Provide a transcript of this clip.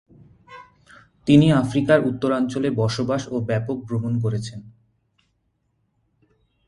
তিনি আফ্রিকার উত্তরাঞ্চলে বসবাস ও ব্যাপক ভ্রমণ করেছেন।